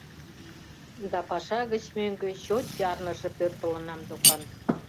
Да паша гыч мӧҥгӧ чот ярныше пӧртылынам докан.